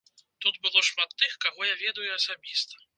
Тут было шмат тых, каго я ведаю асабіста.